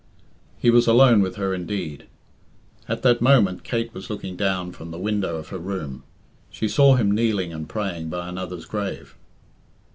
He was alone with her indeed. At that moment Kate was looking down from the window of her room. She saw him kneeling and praying by another's grave.